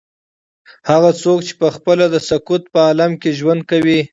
هغه څوک چې پخپله د سکوت په عالم کې ژوند کوي.